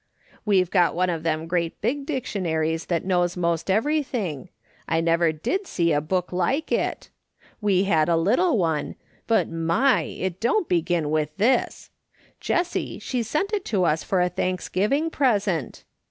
We've got one of them great Lig dictionaries that knows most everything ; I never did see a hook like it ! We had a little one, but my ! it don't begin with this. Jessie, she sent it to us for a Thanksgiving present.